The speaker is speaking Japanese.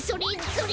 それ！